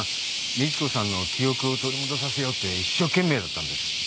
美知子さんの記憶を取り戻させようって一生懸命だったんです。